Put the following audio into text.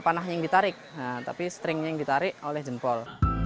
panahnya yang ditarik tapi stringnya yang ditarik oleh jempol